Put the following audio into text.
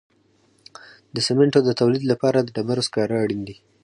د سمنټو د تولید لپاره د ډبرو سکاره اړین دي.